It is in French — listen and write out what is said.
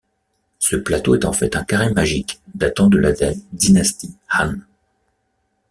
Ce plateau est en fait un carré magique datant de la dynastie Han.